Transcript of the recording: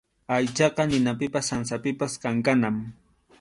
Aychaqa ninapipas sansapipas kankanam.